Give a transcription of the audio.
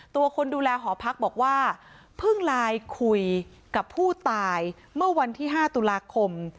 ตัวคนดูแลหอพักบอกว่าเพิ่งไลน์คุยกับผู้ตายเมื่อวันที่๕ตุลาคม